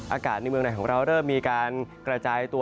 อากาศในเมืองไหนของเราเริ่มมีการกระจายตัว